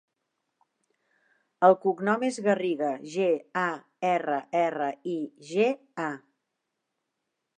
El cognom és Garriga: ge, a, erra, erra, i, ge, a.